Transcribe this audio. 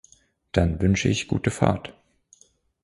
Dann wünsche ich gute Fahrt.